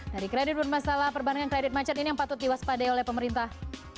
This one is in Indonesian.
dari kredit bermasalah perbankan kredit macet ini yang patut diwaspadai oleh pemerintah